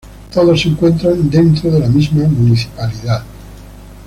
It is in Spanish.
Todos se encuentran dentro de la misma municipalidad.